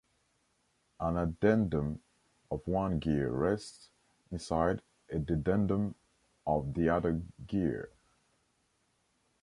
An addendum of one gear rests inside a dedendum of the other gear.